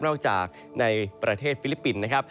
จากในประเทศฟิลิปปินส์นะครับ